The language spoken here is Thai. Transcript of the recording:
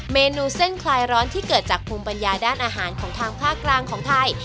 เมนูเส้นคลายร้อนที่เกิดจากภูมิปัญญาด้านอาหารของทางภาคกลางของไทย